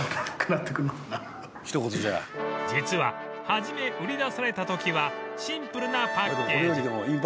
実は初め売り出された時はシンプルなパッケージ